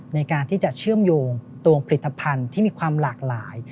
ในการที่จะเชื่อมโยงตัวผลิตภัณฑ์ที่มีความหลากหลาย